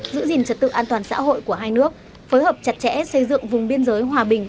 giữ gìn trật tự an toàn xã hội của hai nước phối hợp chặt chẽ xây dựng vùng biên giới hòa bình